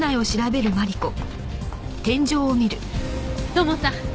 土門さん